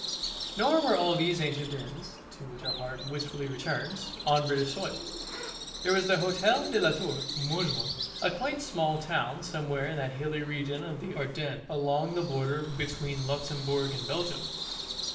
_" Nor were all these ancient inns (to which our heart wistfully returns) on British soil. There was the Hotel de la Tour, in Montjoie, a quaint small town somewhere in that hilly region of the Ardennes along the border between Luxemburg and Belgium.